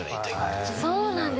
そうなんですね。